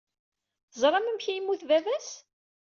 Teẓram amek ay yemmut baba-s?